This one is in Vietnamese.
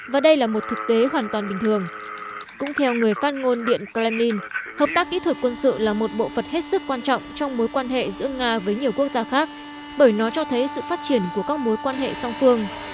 và đây là một thực tế hoàn toàn bình thường cũng theo người phát ngôn điện kremlin hợp tác kỹ thuật quân sự là một bộ phật hết sức quan trọng trong mối quan hệ giữa nga với nhiều quốc gia khác bởi nó cho thấy sự phát triển của các mối quan hệ song phương